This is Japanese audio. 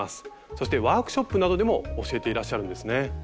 そしてワークショップなどでも教えていらっしゃるんですね。